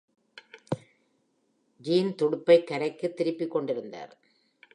Gene துடுப்பை கரைக்கு திருப்பிக்கொண்டிருந்தார்.